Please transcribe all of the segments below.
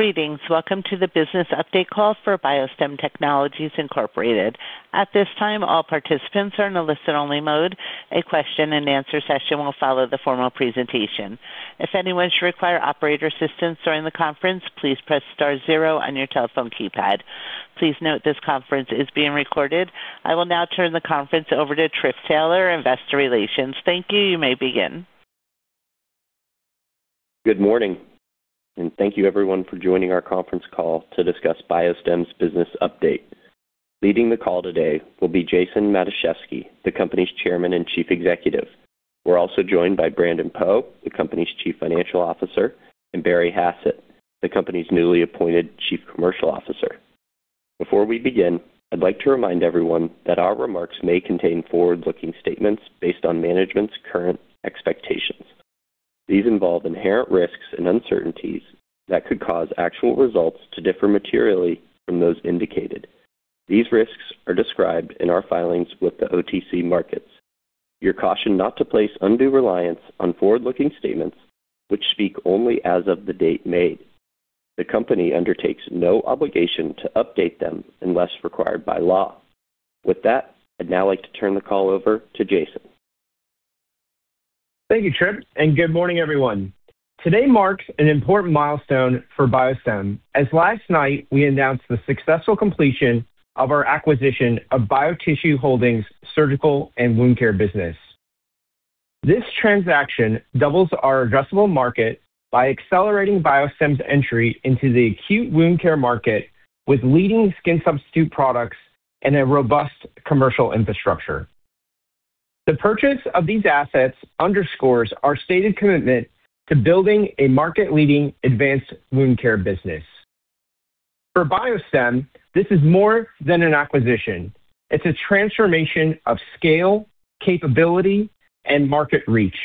Greetings. Welcome to the business update call for BioStem Technologies, Incorporated. At this time, all participants are in a listen-only mode. A question-and-answer session will follow the formal presentation. If anyone should require operator assistance during the conference, please press star zero on your telephone keypad. Please note this conference is being recorded. I will now turn the conference over to Trip Taylor of Investor Relations. Thank you. You may begin. Good morning, and thank you, everyone, for joining our conference call to discuss BioStem's business update. Leading the call today will be Jason Matuszewski, the company's Chairman and Chief Executive. We're also joined by Brandon Poe, the company's Chief Financial Officer, and Barry Hassett, the company's newly appointed Chief Commercial Officer. Before we begin, I'd like to remind everyone that our remarks may contain forward-looking statements based on management's current expectations. These involve inherent risks and uncertainties that could cause actual results to differ materially from those indicated. These risks are described in our filings with the OTC Markets. You're cautioned not to place undue reliance on forward-looking statements, which speak only as of the date made. The company undertakes no obligation to update them unless required by law. With that, I'd now like to turn the call over to Jason. Thank you, Trip, and good morning, everyone. Today marks an important milestone for BioStem, as last night we announced the successful completion of our acquisition of BioTissue Holdings' surgical and wound care business. This transaction doubles our addressable market by accelerating BioStem's entry into the acute wound care market with leading skin substitute products and a robust commercial infrastructure. The purchase of these assets underscores our stated commitment to building a market-leading advanced wound care business. For BioStem, this is more than an acquisition. It's a transformation of scale, capability, and market reach.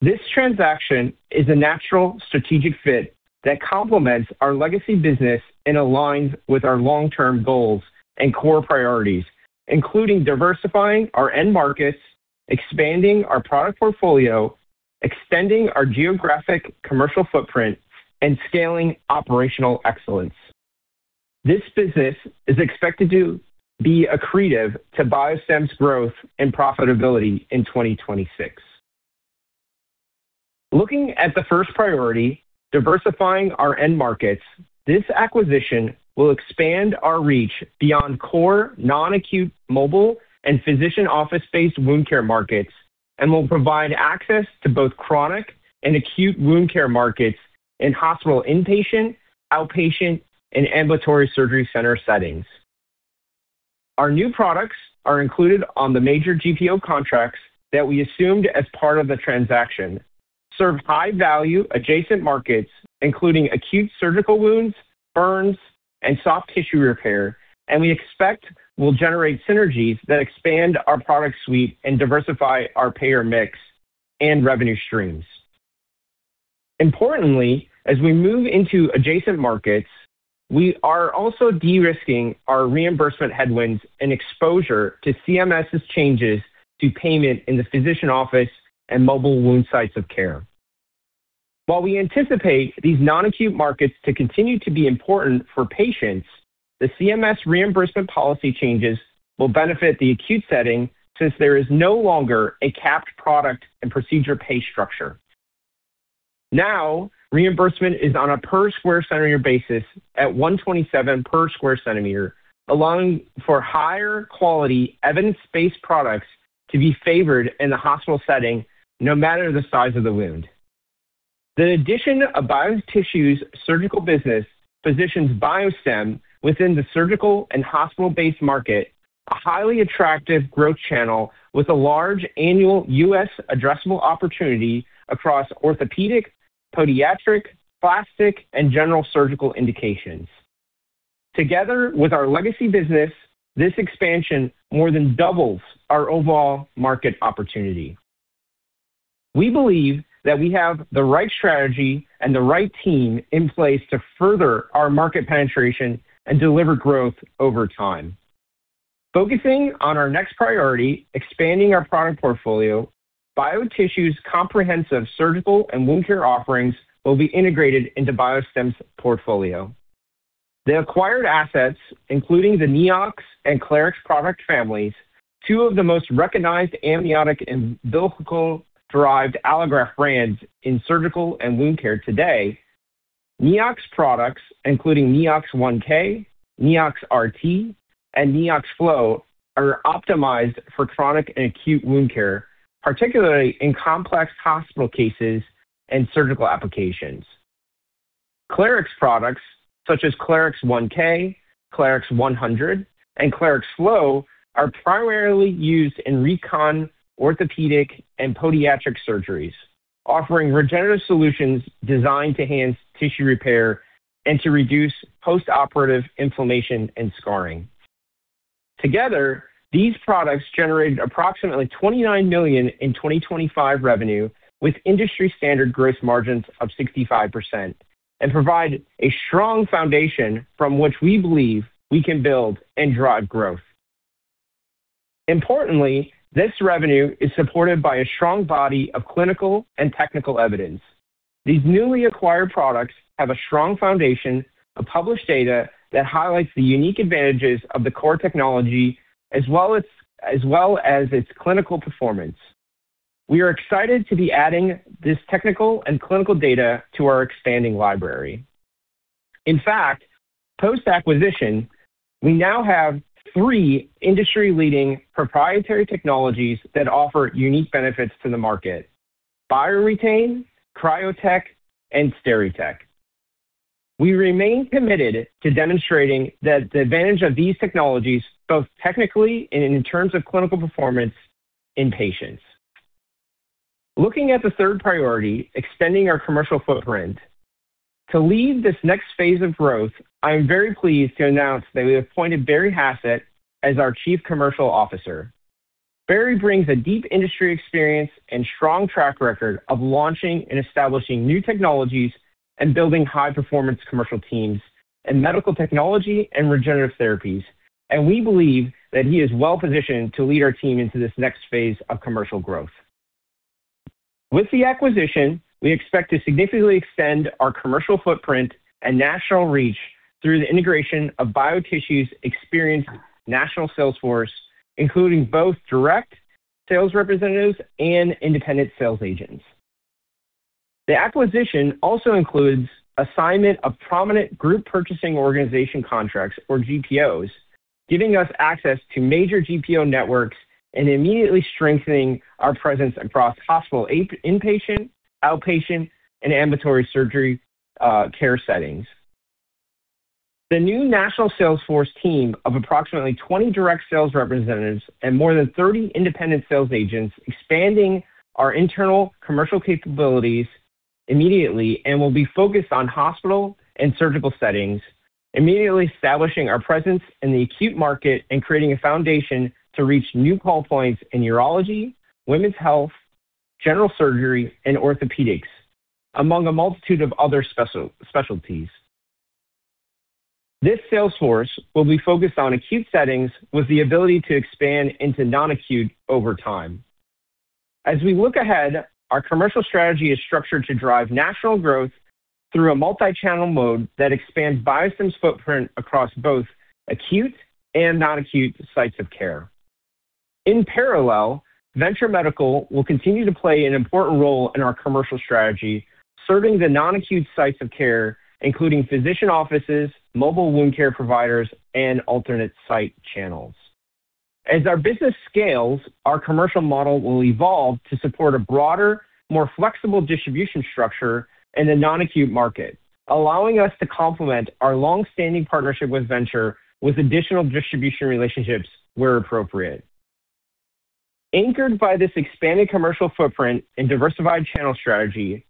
This transaction is a natural strategic fit that complements our legacy business and aligns with our long-term goals and core priorities, including diversifying our end markets, expanding our product portfolio, extending our geographic commercial footprint, and scaling operational excellence. This business is expected to be a catalyst to BioStem's growth and profitability in 2026. Looking at the first priority, diversifying our end markets, this acquisition will expand our reach beyond core non-acute mobile and physician office-based wound care markets and will provide access to both chronic and acute wound care markets in hospital inpatient, outpatient, and ambulatory surgery center settings. Our new products are included on the major GPO contracts that we assumed as part of the transaction, serve high-value adjacent markets, including acute surgical wounds, burns, and soft tissue repair, and we expect will generate synergies that expand our product suite and diversify our payer mix and revenue streams. Importantly, as we move into adjacent markets, we are also de-risking our reimbursement headwinds and exposure to CMS's changes to payment in the physician office and mobile wound sites of care. While we anticipate these non-acute markets to continue to be important for patients, the CMS reimbursement policy changes will benefit the acute setting since there is no longer a capped product and procedure pay structure. Now, reimbursement is on a per-square-centimeter basis at $127 per square centimeter, allowing for higher-quality, evidence-based products to be favored in the hospital setting no matter the size of the wound. The addition of BioTissue's surgical business positions BioStem within the surgical and hospital-based market, a highly attractive growth channel with a large annual U.S. addressable opportunity across orthopedic, podiatric, plastic, and general surgical indications. Together with our legacy business, this expansion more than doubles our overall market opportunity. We believe that we have the right strategy and the right team in place to further our market penetration and deliver growth over time. Focusing on our next priority, expanding our product portfolio, BioTissue's comprehensive surgical and wound care offerings will be integrated into BioStem's portfolio. The acquired assets, including the NEOX and Clarix product families, two of the most recognized amniotic and umbilical-derived allograft brands in surgical and wound care today, NEOX products, including NEOX 1K, NEOX RT, and NEOX FLO, are optimized for chronic and acute wound care, particularly in complex hospital cases and surgical applications. Clarix products, such as Clarix 1K, Clarix 100, and Clarix FLO, are primarily used in recon, orthopedic, and podiatric surgeries, offering regenerative solutions designed to enhance tissue repair and to reduce post-operative inflammation and scarring. Together, these products generated approximately $29 million in 2025 revenue with industry-standard gross margins of 65% and provide a strong foundation from which we believe we can build and drive growth. Importantly, this revenue is supported by a strong body of clinical and technical evidence. These newly acquired products have a strong foundation of published data that highlights the unique advantages of the core technology as well as its clinical performance. We are excited to be adding this technical and clinical data to our expanding library. In fact, post-acquisition, we now have three industry-leading proprietary technologies that offer unique benefits to the market: BioRetain, CryoTek, and SteriTek. We remain committed to demonstrating the advantage of these technologies both technically and in terms of clinical performance in patients. Looking at the third priority, extending our commercial footprint, to lead this next phase of growth, I am very pleased to announce that we have appointed Barry Hassett as our Chief Commercial Officer. Barry brings a deep industry experience and strong track record of launching and establishing new technologies and building high-performance commercial teams in medical technology and regenerative therapies, and we believe that he is well-positioned to lead our team into this next phase of commercial growth. With the acquisition, we expect to significantly extend our commercial footprint and national reach through the integration of BioTissue's experienced national sales force, including both direct sales representatives and independent sales agents. The acquisition also includes assignment of prominent group purchasing organization contracts, or GPOs, giving us access to major GPO networks and immediately strengthening our presence across hospital inpatient, outpatient, and ambulatory surgery care settings. The new national sales force team of approximately 20 direct sales representatives and more than 30 independent sales agents expands our internal commercial capabilities immediately and will be focused on hospital and surgical settings, immediately establishing our presence in the acute market and creating a foundation to reach new call points in urology, women's health, general surgery, and orthopedics, among a multitude of other specialties. This sales force will be focused on acute settings with the ability to expand into non-acute over time. As we look ahead, our commercial strategy is structured to drive national growth through a multi-channel mode that expands BioStem's footprint across both acute and non-acute sites of care. In parallel, Venture Medical will continue to play an important role in our commercial strategy, serving the non-acute sites of care, including physician offices, mobile wound care providers, and alternate site channels. As our business scales, our commercial model will evolve to support a broader, more flexible distribution structure in the non-acute market, allowing us to complement our long-standing partnership with Venture Medical with additional distribution relationships where appropriate. Anchored by this expanded commercial footprint and diversified channel strategy,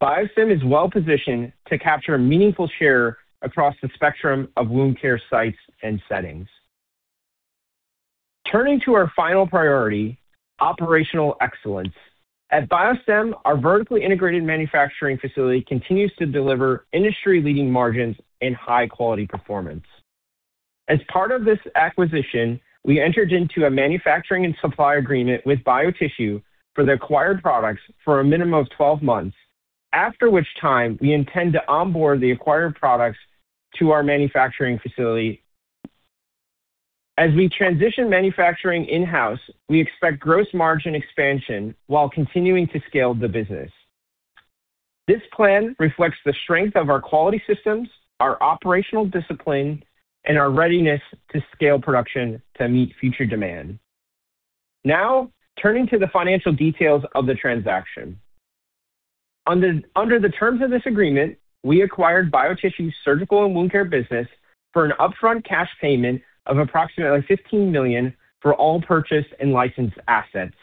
BioStem is well-positioned to capture a meaningful share across the spectrum of wound care sites and settings. Turning to our final priority, operational excellence. At BioStem, our vertically integrated manufacturing facility continues to deliver industry-leading margins and high-quality performance. As part of this acquisition, we entered into a manufacturing and supply agreement with BioTissue for the acquired products for a minimum of 12 months, after which time we intend to onboard the acquired products to our manufacturing facility. As we transition manufacturing in-house, we expect gross margin expansion while continuing to scale the business. This plan reflects the strength of our quality systems, our operational discipline, and our readiness to scale production to meet future demand. Now, turning to the financial details of the transaction. Under the terms of this agreement, we acquired BioTissue's surgical and wound care business for an upfront cash payment of approximately $15 million for all purchased and licensed assets.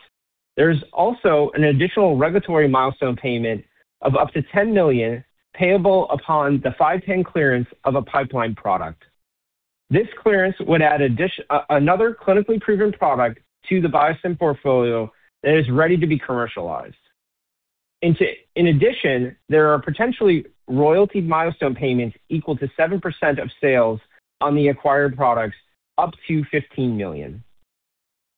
There is also an additional regulatory milestone payment of up to $10 million payable upon the 510(k) clearance of a pipeline product. This clearance would add another clinically proven product to the BioStem portfolio that is ready to be commercialized. In addition, there are potentially royalty milestone payments equal to 7% of sales on the acquired products, up to $15 million.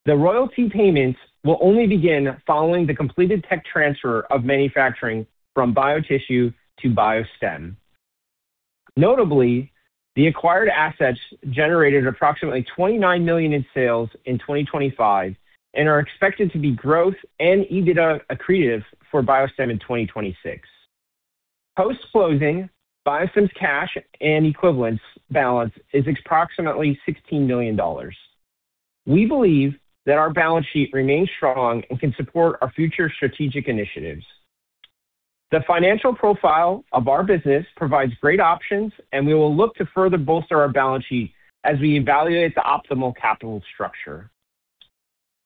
The royalty payments will only begin following the completed tech transfer of manufacturing from BioTissue to BioStem. Notably, the acquired assets generated approximately $29 million in sales in 2025 and are expected to be growth and EBITDA accretive for BioStem in 2026. Post-closing, BioStem's cash and equivalents balance is approximately $16 million. We believe that our balance sheet remains strong and can support our future strategic initiatives. The financial profile of our business provides great options, and we will look to further bolster our balance sheet as we evaluate the optimal capital structure.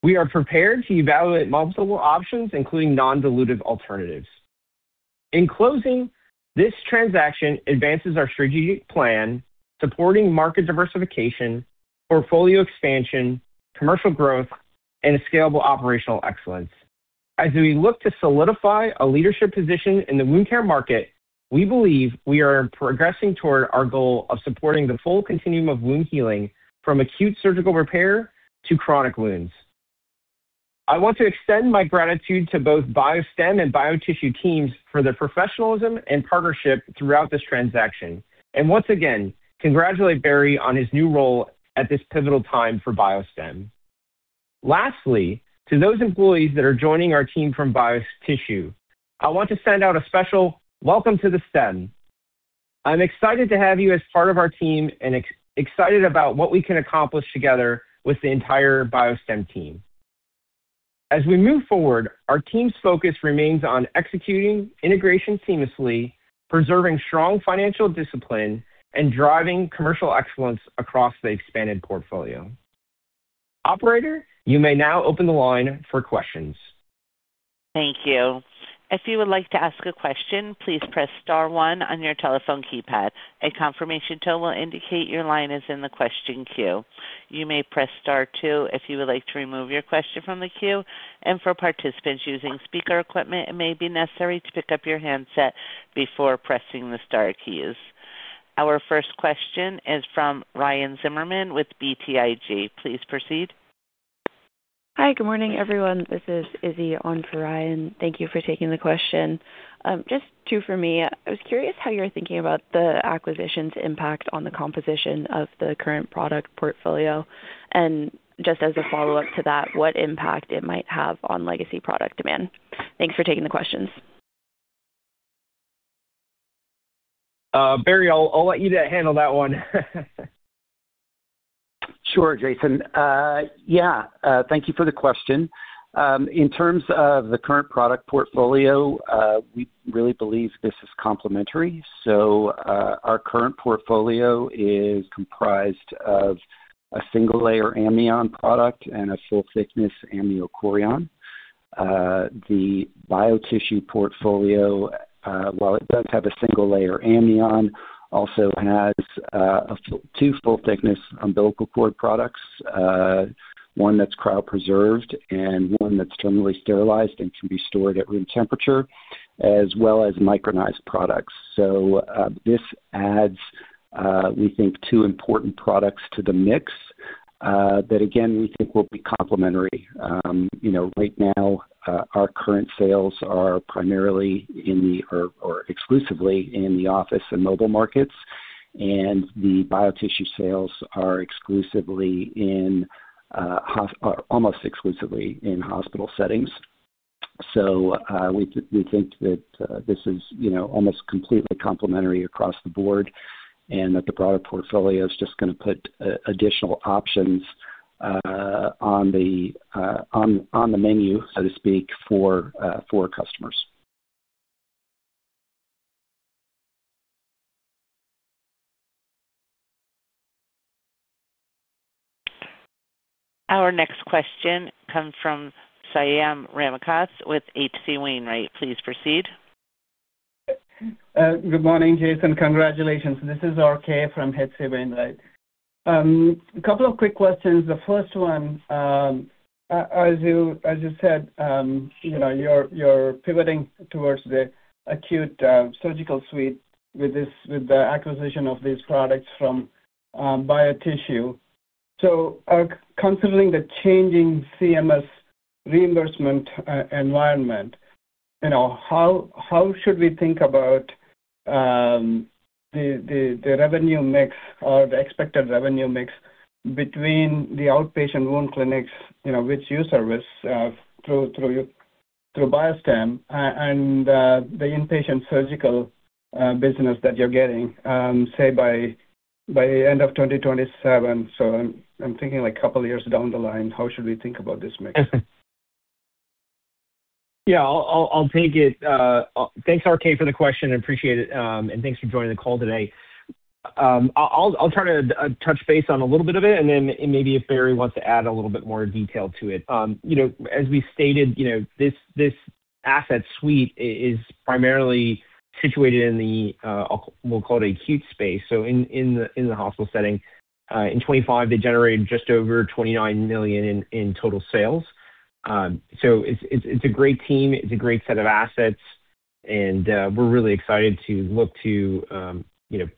We are prepared to evaluate multiple options, including non-dilutive alternatives. In closing, this transaction advances our strategic plan, supporting market diversification, portfolio expansion, commercial growth, and scalable operational excellence. As we look to solidify a leadership position in the wound care market, we believe we are progressing toward our goal of supporting the full continuum of wound healing from acute surgical repair to chronic wounds. I want to extend my gratitude to both BioStem and BioTissue teams for their professionalism and partnership throughout this transaction, and once again, congratulate Barry on his new role at this pivotal time for BioStem. Lastly, to those employees that are joining our team from BioTissue, I want to send out a special welcome to the team. I'm excited to have you as part of our team and excited about what we can accomplish together with the entire BioStem team. As we move forward, our team's focus remains on executing integration seamlessly, preserving strong financial discipline, and driving commercial excellence across the expanded portfolio. Operator, you may now open the line for questions. Thank you. If you would like to ask a question, please press star one on your telephone keypad. A confirmation tone will indicate your line is in the question queue. You may press star two if you would like to remove your question from the queue. For participants using speaker equipment, it may be necessary to pick up your handset before pressing the star keys. Our first question is from Ryan Zimmerman with BTIG. Please proceed. Hi, good morning, everyone. This is Izzy on for Ryan. Thank you for taking the question. Just two for me. I was curious how you're thinking about the acquisition's impact on the composition of the current product portfolio, and just as a follow-up to that, what impact it might have on legacy product demand. Thanks for taking the questions. Barry, I'll let you handle that one. Sure, Jason. Yeah, thank you for the question. In terms of the current product portfolio, we really believe this is complementary. So our current portfolio is comprised of a single-layer amnion product and a full-thickness amniochorion. The BioTissue portfolio, while it does have a single-layer amnion, also has two full-thickness umbilical cord products, one that's cryopreserved and one that's terminally sterilized and can be stored at room temperature, as well as micronized products. So this adds, we think, two important products to the mix that, again, we think will be complementary. Right now, our current sales are primarily in the office or exclusively in the mobile markets, and the BioTissue sales are almost exclusively in hospital settings. So we think that this is almost completely complementary across the board and that the broader portfolio is just going to put additional options on the menu, so to speak, for customers. Our next question comes from Swayam Ramakanth with H.C. Wainwright & Co. Please proceed. Good morning, Jason. Congratulations. This is RK from H.C. Wainwright. A couple of quick questions. The first one, as you said, you're pivoting towards the acute surgical suite with the acquisition of these products from BioTissue. So considering the changing CMS reimbursement environment, how should we think about the revenue mix or the expected revenue mix between the outpatient wound clinics, which you service through BioStem, and the inpatient surgical business that you're getting, say, by the end of 2027? So I'm thinking like a couple of years down the line. How should we think about this mix? Yeah, I'll take it. Thanks, RK, for the question. I appreciate it. And thanks for joining the call today. I'll try to touch base on a little bit of it, and then maybe if Barry wants to add a little bit more detail to it. As we stated, this asset suite is primarily situated in the, we'll call it, acute space. So in the hospital setting, in 2025, they generated just over $29 million in total sales. So it's a great team. It's a great set of assets. And we're really excited to look to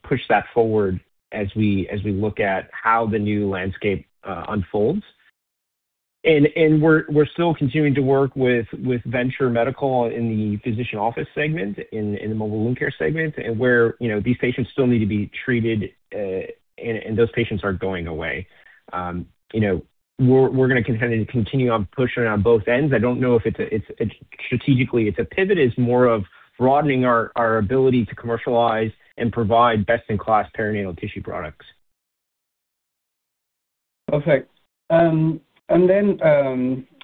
push that forward as we look at how the new landscape unfolds. And we're still continuing to work with Venture Medical in the physician office segment, in the mobile wound care segment, where these patients still need to be treated, and those patients aren't going away. We're going to continue on pushing on both ends. I don't know if strategically it's a pivot. It's more of broadening our ability to commercialize and provide best-in-class perinatal tissue products. Perfect. And then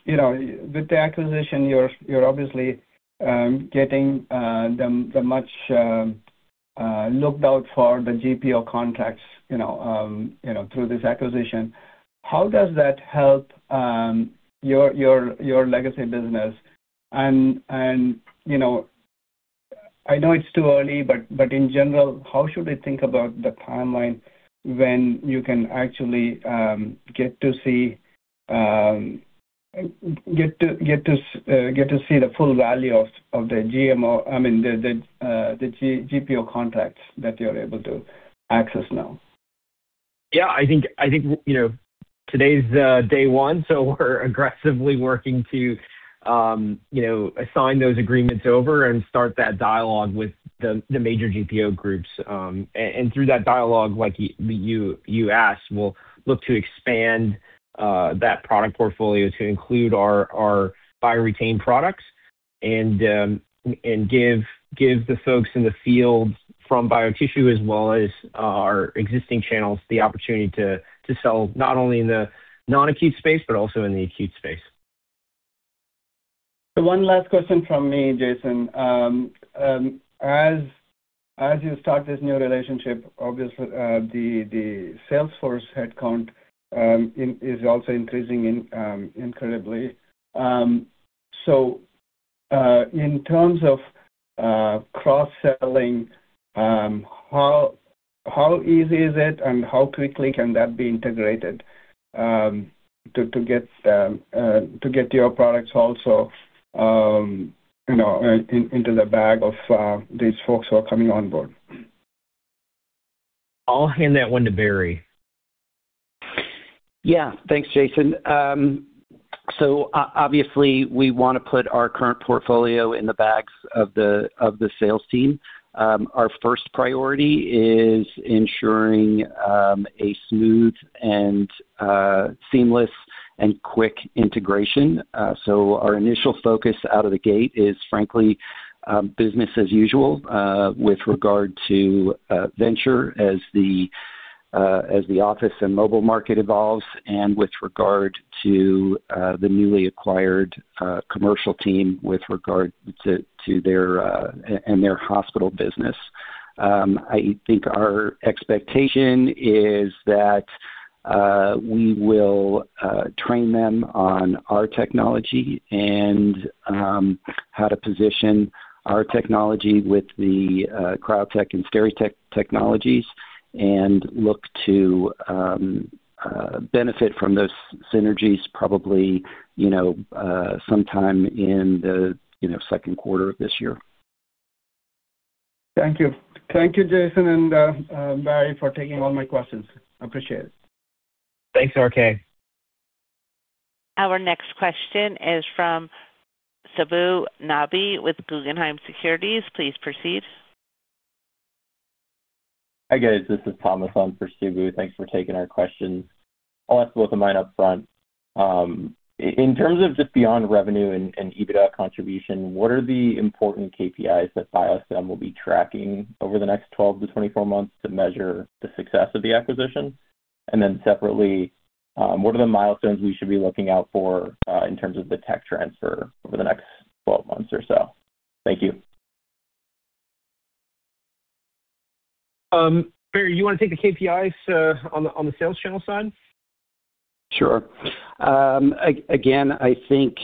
with the acquisition, you're obviously getting the much looked out for, the GPO contracts through this acquisition. How does that help your legacy business? And I know it's too early, but in general, how should we think about the timeline when you can actually get to see the full value of the GPO, I mean, the GPO contracts that you're able to access now? Yeah, I think today's day one. We're aggressively working to assign those agreements over and start that dialogue with the major GPO groups. And through that dialogue, like you asked, we'll look to expand that product portfolio to include our BioRetain products and give the folks in the field from BioTissue, as well as our existing channels, the opportunity to sell not only in the non-acute space but also in the acute space. One last question from me, Jason. As you start this new relationship, obviously, the sales force headcount is also increasing incredibly. So in terms of cross-selling, how easy is it, and how quickly can that be integrated to get your products also into the bag of these folks who are coming on board? I'll hand that one to Barry. Yeah, thanks, Jason. So obviously, we want to put our current portfolio in the bags of the sales team. Our first priority is ensuring a smooth and seamless and quick integration. So our initial focus out of the gate is, frankly, business as usual with regard to Venture as the office and mobile market evolves and with regard to the newly acquired commercial team with regard to their hospital business. I think our expectation is that we will train them on our technology and how to position our technology with the CryoTech and SteriTech technologies and look to benefit from those synergies probably sometime in the second quarter of this year. Thank you. Thank you, Jason and Barry, for taking all my questions. Appreciate it. Thanks, RK. Our next question is from Subbu Nambi with Guggenheim Securities. Please proceed. Hi guys. This is Thomas on for Subbu. Thanks for taking our questions. I'll ask both of mine upfront. In terms of just beyond revenue and EBITDA contribution, what are the important KPIs that BioStem will be tracking over the next 12-24 months to measure the success of the acquisition? And then separately, what are the milestones we should be looking out for in terms of the tech transfer over the next 12 months or so? Thank you. Barry, you want to take the KPIs on the sales channel side? Sure. Again, I think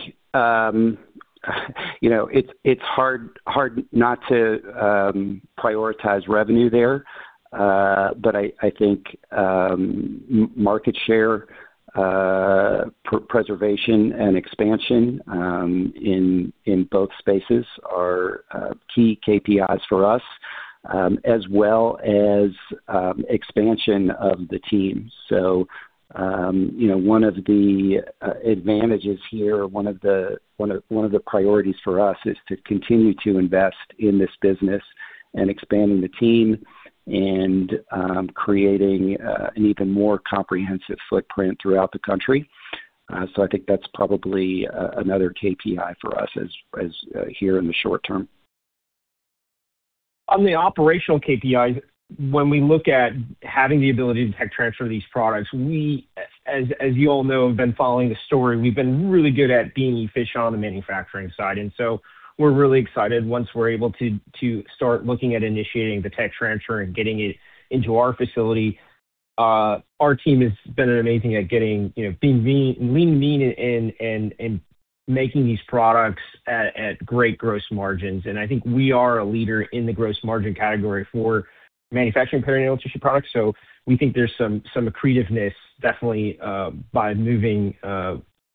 it's hard not to prioritize revenue there, but I think market share preservation and expansion in both spaces are key KPIs for us, as well as expansion of the team. So one of the advantages here, one of the priorities for us, is to continue to invest in this business and expanding the team and creating an even more comprehensive footprint throughout the country. So I think that's probably another KPI for us here in the short term. On the operational KPIs, when we look at having the ability to tech transfer these products, we, as you all know, have been following the story. We've been really good at being efficient on the manufacturing side, and so we're really excited once we're able to start looking at initiating the tech transfer and getting it into our facility. Our team has been amazing at being lean and mean and making these products at great gross margins, and I think we are a leader in the gross margin category for manufacturing perinatal tissue products, so we think there's some creativeness definitely by moving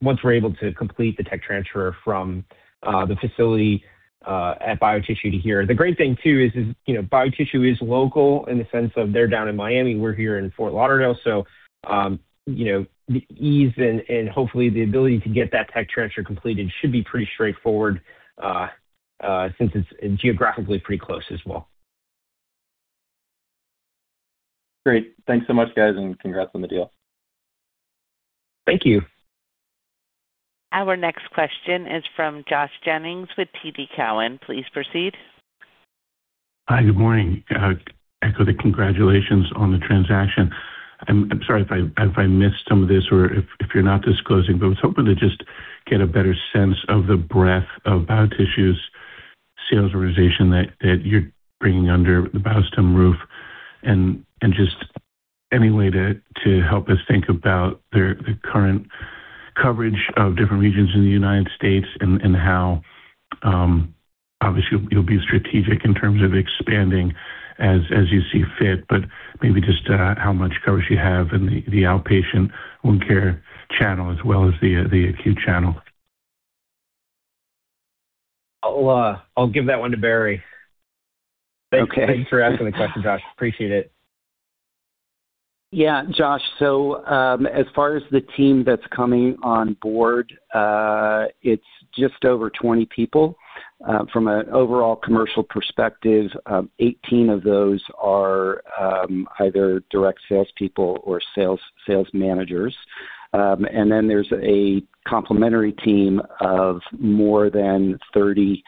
once we're able to complete the tech transfer from the facility at BioTissue to here. The great thing, too, is BioTissue is local in the sense of they're down in Miami. We're here in Fort Lauderdale. So the ease and hopefully the ability to get that tech transfer completed should be pretty straightforward since it's geographically pretty close as well. Great. Thanks so much, guys, and congrats on the deal. Thank you. Our next question is from Josh Jennings with TD Cowen. Please proceed. Hi, good morning. I echo the congratulations on the transaction. I'm sorry if I missed some of this or if you're not disclosing, but I was hoping to just get a better sense of the breadth of BioTissue's sales organization that you're bringing under the BioStem roof and just any way to help us think about the current coverage of different regions in the United States and how, obviously, you'll be strategic in terms of expanding as you see fit, but maybe just how much coverage you have in the outpatient wound care channel as well as the acute channel. I'll give that one to Barry. Thanks for asking the question, Josh. Appreciate it. Yeah, Josh. So as far as the team that's coming on board, it's just over 20 people. From an overall commercial perspective, 18 of those are either direct salespeople or sales managers. And then there's a complementary team of more than 30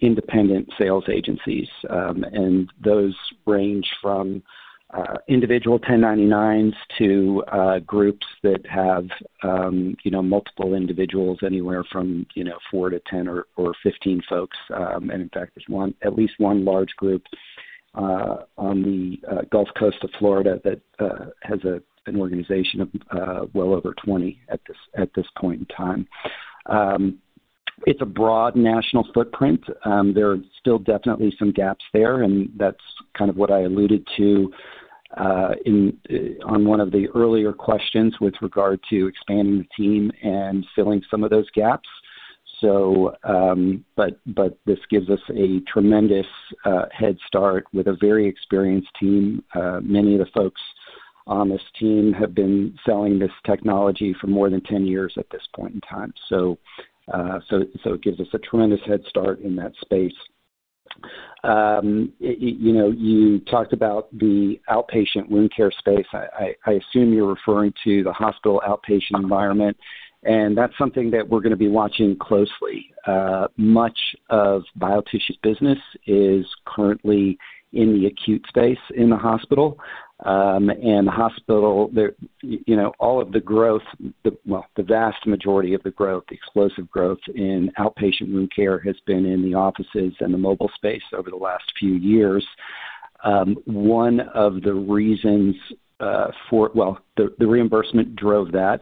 independent sales agencies. And those range from individual 1099s to groups that have multiple individuals anywhere from four to 10 or 15 folks. And in fact, there's at least one large group on the Gulf Coast of Florida that has an organization of well over 20 at this point in time. It's a broad national footprint. There are still definitely some gaps there, and that's kind of what I alluded to on one of the earlier questions with regard to expanding the team and filling some of those gaps. But this gives us a tremendous head start with a very experienced team. Many of the folks on this team have been selling this technology for more than 10 years at this point in time. So it gives us a tremendous head start in that space. You talked about the outpatient wound care space. I assume you're referring to the hospital outpatient environment, and that's something that we're going to be watching closely. Much of BioTissue's business is currently in the acute space in the hospital, and the hospital, all of the growth, well, the vast majority of the growth, the explosive growth in outpatient wound care has been in the offices and the mobile space over the last few years. One of the reasons for, well, the reimbursement drove that,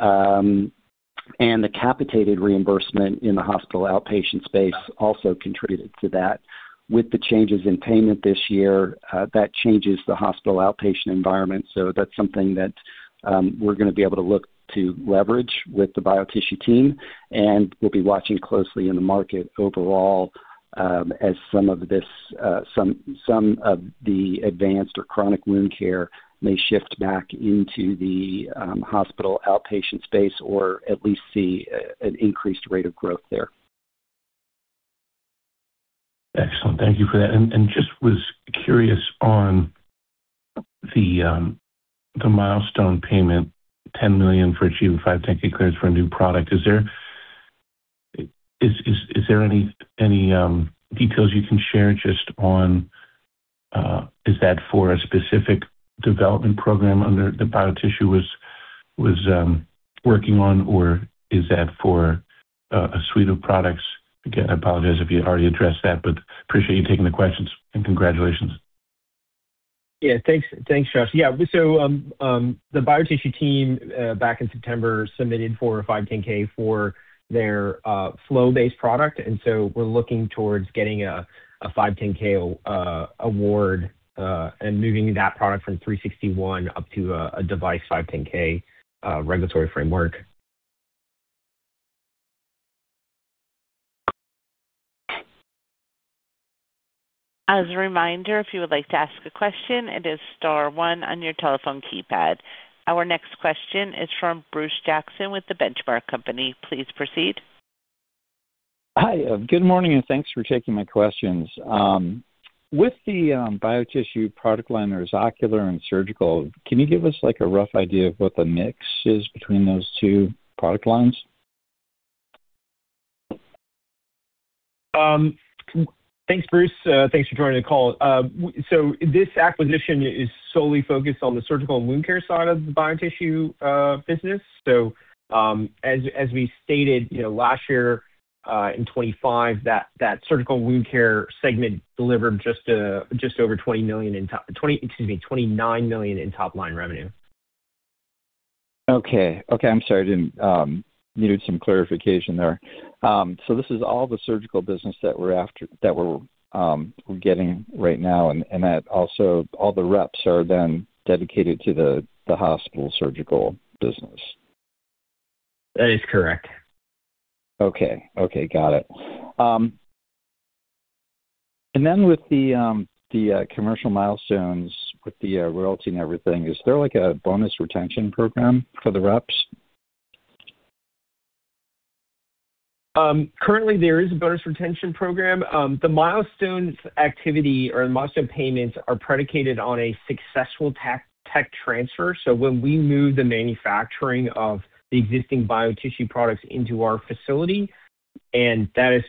and the capitated reimbursement in the hospital outpatient space also contributed to that. With the changes in payment this year, that changes the hospital outpatient environment. So that's something that we're going to be able to look to leverage with the BioTissue team. And we'll be watching closely in the market overall as some of this, some of the advanced or chronic wound care may shift back into the hospital outpatient space or at least see an increased rate of growth there. Excellent. Thank you for that. And just was curious on the milestone payment, $10 million for achieving 510(k) clearance for a new product. Is there any details you can share just on is that for a specific development program under the BioTissue was working on, or is that for a suite of products? Again, I apologize if you already addressed that, but appreciate you taking the questions and congratulations. Yeah, thanks, Josh. Yeah. So the BioTissue team back in September submitted for a 510(k) for their flow-based product. And so we're looking towards getting a 510(k) award and moving that product from 361 up to a device 510(k) regulatory framework. As a reminder, if you would like to ask a question, it is star one on your telephone keypad. Our next question is from Bruce Jackson with The Benchmark Company. Please proceed. Hi. Good morning and thanks for taking my questions. With the BioTissue product line, there's ocular and surgical. Can you give us a rough idea of what the mix is between those two product lines? Thanks, Bruce. Thanks for joining the call. This acquisition is solely focused on the surgical wound care side of the BioTissue business. As we stated last year in 2025, that surgical wound care segment delivered just over $20 million in top-line revenue, excuse me, $29 million in top-line revenue. Okay. I'm sorry. I needed some clarification there. So this is all the surgical business that we're getting right now, and also all the reps are then dedicated to the hospital surgical business. That is correct. Okay. Okay. Got it. And then with the commercial milestones with the royalty and everything, is there a bonus retention program for the reps? Currently, there is a bonus retention program. The milestone activity or the milestone payments are predicated on a successful tech transfer. So when we move the manufacturing of the existing BioTissue products into our facility and that is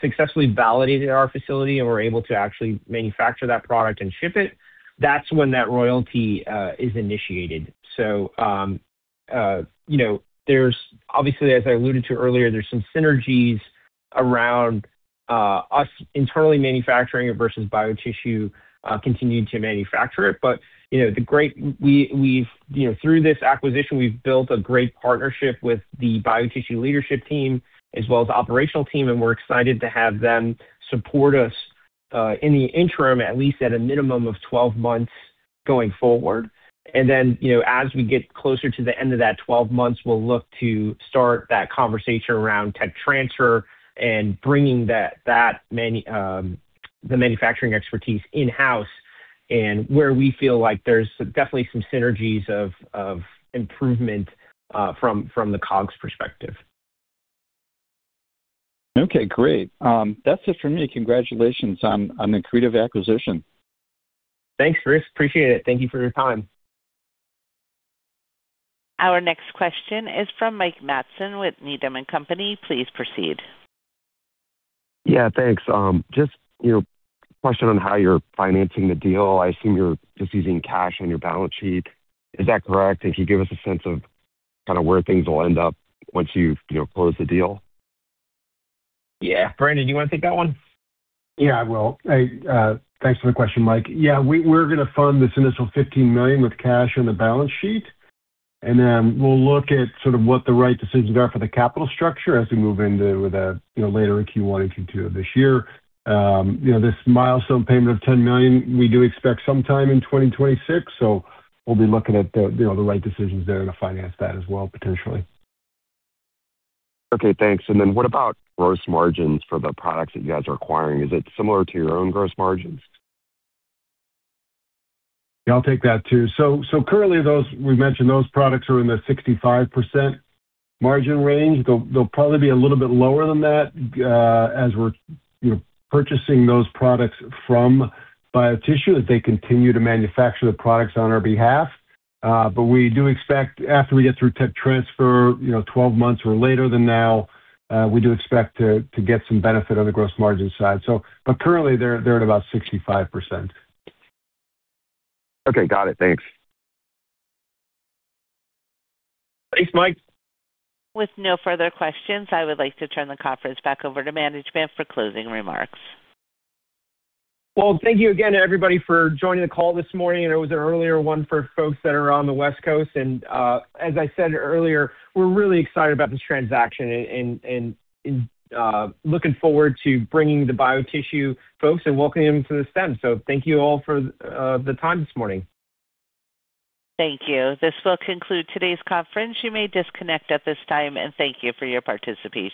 successfully validated at our facility and we're able to actually manufacture that product and ship it, that's when that royalty is initiated. So obviously, as I alluded to earlier, there's some synergies around us internally manufacturing versus BioTissue continuing to manufacture it. But through this acquisition, we've built a great partnership with the BioTissue leadership team as well as the operational team, and we're excited to have them support us in the interim, at least at a minimum of 12 months going forward. Then as we get closer to the end of that 12 months, we'll look to start that conversation around tech transfer and bringing the manufacturing expertise in-house and where we feel like there's definitely some synergies of improvement from the COGS perspective. Okay. Great. That's it for me. Congratulations on the creative acquisition. Thanks, Bruce. Appreciate it. Thank you for your time. Our next question is from Mike Matson with Needham & Company. Please proceed. Yeah. Thanks. Just a question on how you're financing the deal. I assume you're just using cash on your balance sheet. Is that correct? And can you give us a sense of kind of where things will end up once you close the deal? Yeah. Brandon, do you want to take that one? Yeah, I will. Thanks for the question, Mike. Yeah. We're going to fund this initial $15 million with cash on the balance sheet. And then we'll look at sort of what the right decisions are for the capital structure as we move into the later Q1 and Q2 of this year. This milestone payment of $10 million, we do expect sometime in 2026. So we'll be looking at the right decisions there to finance that as well, potentially. Okay. Thanks. And then what about gross margins for the products that you guys are acquiring? Is it similar to your own gross margins? Yeah, I'll take that too. So currently, we mentioned those products are in the 65% margin range. They'll probably be a little bit lower than that as we're purchasing those products from BioTissue as they continue to manufacture the products on our behalf. But we do expect after we get through tech transfer, 12 months or later than now, we do expect to get some benefit on the gross margin side. But currently, they're at about 65%. Okay. Got it. Thanks. Thanks, Mike. With no further questions, I would like to turn the conference back over to management for closing remarks. Thank you again to everybody for joining the call this morning. It was an earlier one for folks that are on the West Coast. As I said earlier, we're really excited about this transaction and looking forward to bringing the BioTissue folks and welcoming them to the stand. Thank you all for the time this morning. Thank you. This will conclude today's conference. You may disconnect at this time, and thank you for your participation.